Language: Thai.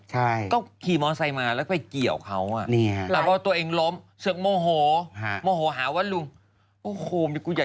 ใช่ก็ขี่ม้อไซมาแล้วไปเกี่ยวเค้าหลังจากตัวเองล้มเชิงโมโหโมโหหาวัดลุงโอ้โฮมีก็เอง